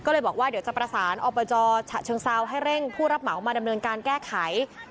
ก็เลยบอกว่าเดี๋ยวจะประสานอบจฉะเชิงเซาให้เร่งผู้รับเหมามาดำเนินการแก้ไข